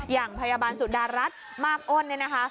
อย่างพยาบาลสุดารัฐมากอ้นเนี่ยนะคะ